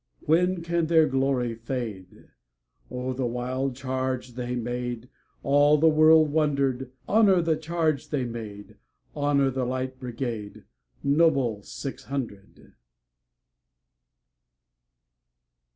When can their glory fade?O the wild charge they made! All the world wonder'd. Honor the charge they made! Honor the Light Brigade, Noble six hundred!